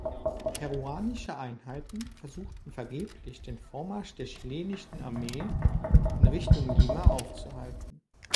Peruanischen Einheiten versuchten vergeblich, den Vormarsch der chilenischen Armee in Richtung Lima aufzuhalten.